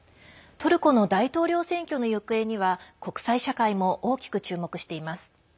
トルコの大統領選挙の行方には国際社会も大きく注目しています。